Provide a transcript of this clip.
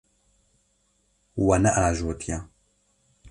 We neajotiye.